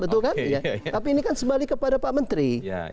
tapi ini kan sebalik kepada pak menteri